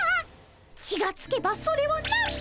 気がつけばそれはなんと。